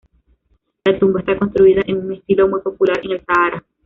La tumba está construida en un estilo muy popular en el Sahara.